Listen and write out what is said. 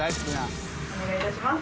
お願い致します。